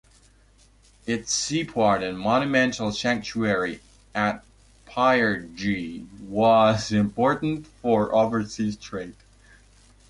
Its sea port and monumental sanctuary at Pyrgi was important for overseas trade.